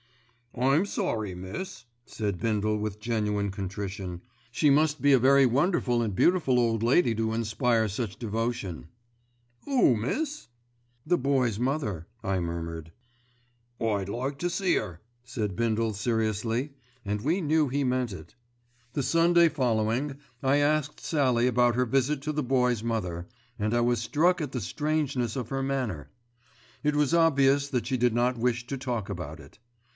"I'm sorry, miss," said Bindle with genuine contrition. "She must be a very wonderful and beautiful old lady to inspire such devotion." "Oo, miss?" "The Boy's mother," I murmured. "I'd like to see 'er," said Bindle seriously, and we knew he meant it. The Sunday following I asked Sallie about her visit to the Boy's mother, and I was struck at the strangeness of her manner. It was obvious that she did not wish to talk about it.